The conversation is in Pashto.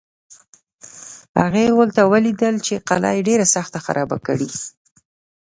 هغه هلته ولیدل چې قلا یې ډېره سخته خرابه کړې.